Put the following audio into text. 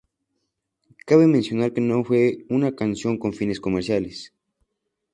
Cabe mencionar que no fue una canción con fines comerciales.